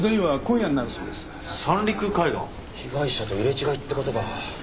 被害者と入れ違いって事か。